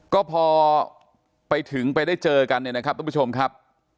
ก็พอไปถึงไปได้เจอกันเนี่ยนะครับทุกผู้ชมครับ